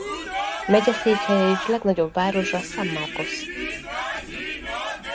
Megyeszékhelye és legnagyobb városa San Marcos.